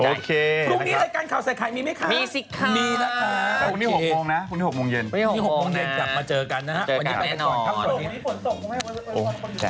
พรุ่งนี้การข่าวใส่ไขมีไหมคะพรุ่งนี้๖โมงนะเดี๋ยวกลับมาเจอกันนะฮะ